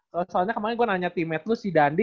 soalnya kemaren gue nanya teammate lu si dandi